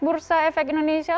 bursa efek indonesia